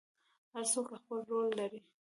هر څوک خپل رول لري